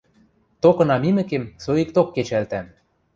– Токына мимӹкем, соикток кечӓлтӓм!